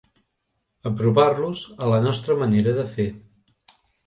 Apropar-los a la nostra manera de fer.